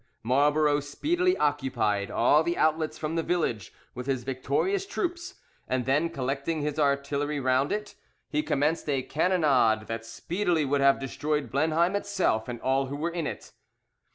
Marlborough speedily occupied all the outlets from the village with his victorious troops, and then, collecting his artillery round it, he commenced a cannonade that speedily would have destroyed Blenheim itself and all who were in it.